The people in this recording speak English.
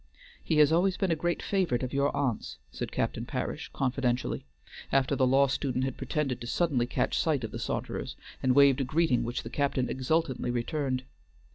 "He has always been a great favorite of your aunt's," said Captain Parish, confidentially, after the law student had pretended to suddenly catch sight of the saunterers, and waved a greeting which the captain exultantly returned.